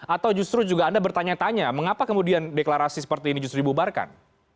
atau justru juga anda bertanya tanya mengapa kemudian deklarasi seperti ini justru dibubarkan